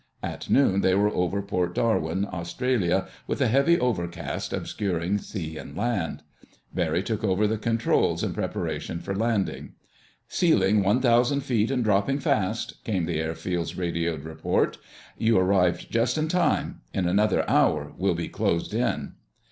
At noon they were over Port Darwin, Australia, with a heavy overcast obscuring sea and land. Barry took over the controls in preparation for landing. "Ceiling one thousand feet and dropping fast," came the airfield's radioed report. "You arrived just in time. In another hour we'll be closed in."